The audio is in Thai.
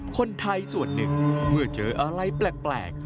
คนไทยส่วนหนึ่งเมื่อเจออะไรแปลก